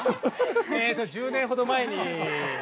◆ええっと、１０年ほど前に。